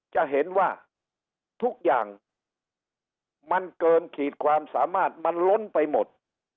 จะเห็นว่าทุกอย่างมันเกินขีดความสามารถมันล้นไปหมด